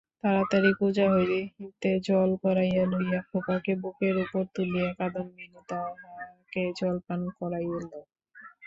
তাড়াতাড়ি কুঁজা হইতে জল গড়াইয়া লইয়া খোকাকে বুকের উপর তুলিয়া কাদম্বিনী তাহাকে জলপান করাইল।